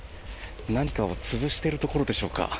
何かを潰しているところでしょうか。